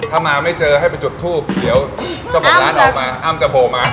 ถ้ามาไม่เจอให้ไปจุดทูบเดี๋ยวจะเป็นร้านออกมาอ้ามจะโบมา